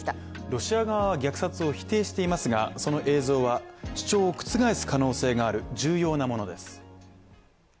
ロシア側は虐殺を否定していますが、その映像は主張を覆す必要がある重要なものです。